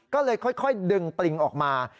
ก็เลยค่อยดึงปลิงออกมา